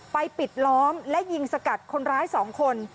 ปิดล้อมและยิงสกัดคนร้าย๒คน